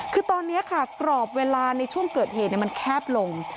คือตอนนี้ค่ะกรอบเวลาในช่วงเกิดเหตุมันแคบลง